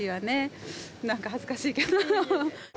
なんか恥ずかしいけど。